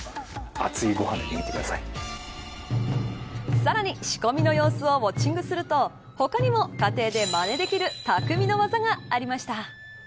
さらに仕込みの様子をウオッチングすると他にも、家庭でまねできる匠の技がありました。